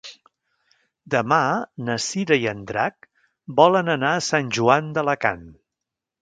Demà na Cira i en Drac volen anar a Sant Joan d'Alacant.